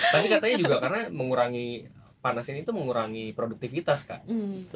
tapi katanya juga karena mengurangi panas ini itu mengurangi produktivitas kan